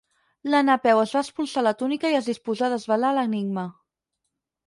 La Napeu es va espolsar la túnica i es disposà a desvelar l'enigma.